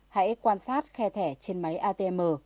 hãy quan sát khe thẻ trên máy atm